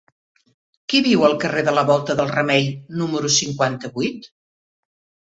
Qui viu al carrer de la Volta del Remei número cinquanta-vuit?